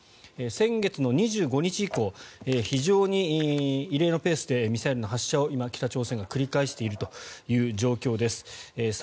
先月の２５日以降非常に異例のペースでミサイルの発射を今、北朝鮮が繰り返しているという状況です。